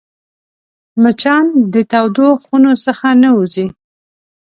مچان د تودو خونو څخه نه وځي